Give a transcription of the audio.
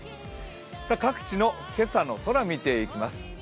各地の今朝の空、見ていきます。